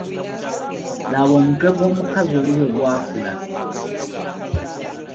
Laba omutwe gw’omukazi oli bwe gwakula!